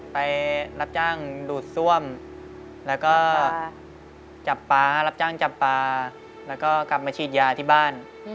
ไปรับจ้างดูดซ่วมแล้วก็จับป๊ารับจ้างจับปลาแล้วก็กลับมาฉีดยาที่บ้าน